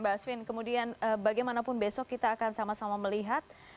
mbak asvin kemudian bagaimanapun besok kita akan sama sama melihat